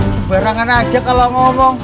sebarangan aja kalau ngomong